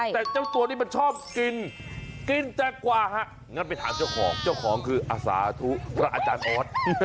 แต่เจ้าตัวนี้มันชอบกินกินแตงกว่าฮะงั้นไปถามเจ้าของเจ้าของคืออาสาธุพระอาจารย์ออส